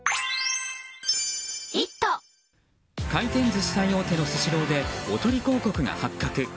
回転寿司最大手のスシローでおとり広告が発覚。